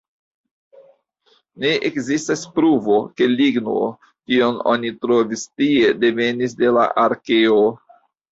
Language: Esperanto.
Ne ekzistas pruvo, ke ligno, kiun oni trovis tie, devenis de la arkeo.